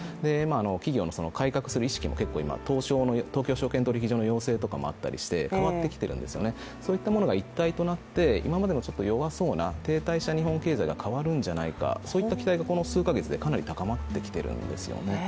企業も改革する意識も東京証券取引所の要請とかもあったりして変わってきているんですよね、そういったものが一体となって今までの弱そうな停滞した日本経済が変わるんじゃないか、そういった期待がこの数か月でかなり高まってきてるんですよね。